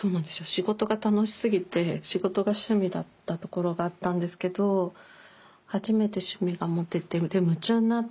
仕事が楽しすぎて仕事が趣味だったところがあったんですけど初めて趣味が持ててで夢中になって。